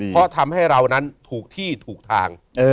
เพราะทำให้เรานั้นถูกที่ถูกทาง